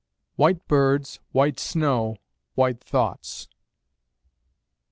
WHITE BIRDS; WHITE SNOW; WHITE THOUGHTS.